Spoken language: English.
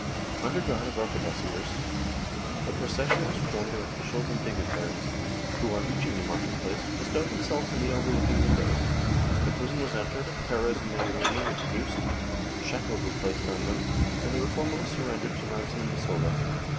Under guard of arquebusiers a proces sion was formed of officials and dignitaries, who on reaching the market place bestowed themselves in the overlooking windows. The prison was entered, Perez and Majorini were produced, shackles were placed on them and they were formally surren dered to Lanceman de Sola.